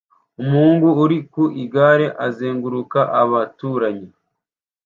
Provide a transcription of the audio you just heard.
Umuhungu uri ku igare azenguruka abaturanyi